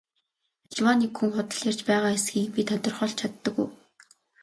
Аливаа нэг хүн худал ярьж байгаа эсэхийг би тодорхойлж чаддаг уу?